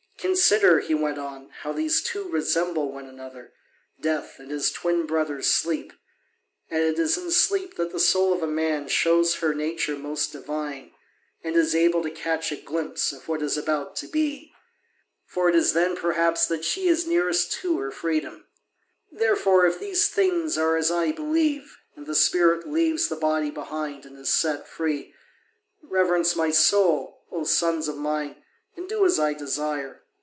Consider," he went on, "how these two resemble one another, Death and his twin brother Sleep, and it is in sleep that the soul of a man shows her nature most divine, and is able to catch a glimpse of what is about to be, for it is then, perhaps, that she is nearest to her freedom. Therefore, if these things are as I believe, and the spirit leaves the body behind and is set free, reverence my soul, O sons of mine, and do as I desire.